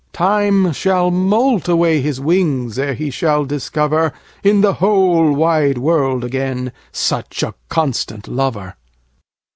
Time shall moult away his wings 5 Ere he shall discover In the whole wide world again Such a constant lover.